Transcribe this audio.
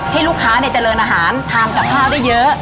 ให้ลูกค้าเจริญอาหารทานกับข้าวได้เยอะ